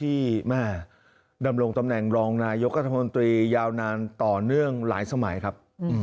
ที่แม่ดำรงตำแหน่งรองนายกรัฐมนตรียาวนานต่อเนื่องหลายสมัยครับ